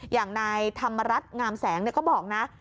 อย่างนายธรรมรัฐงามแสงก็บอกนะ